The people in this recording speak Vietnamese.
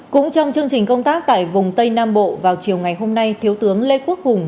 cũng trong chương trình công tác tại vùng tây nam bộ vào chiều ngày hôm nay thiếu tướng lê quốc hùng